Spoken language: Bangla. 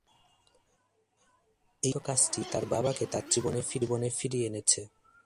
এই সংক্ষিপ্ত কাজটিই তার বাবাকে তার জীবনে ফিরিয়ে এনেছে।